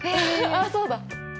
あっそうだ。